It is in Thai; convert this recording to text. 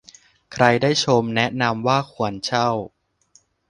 ใครได้ไปชมแนะนำว่าควรเช่า